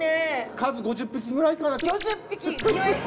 数５０匹ぐらいかな。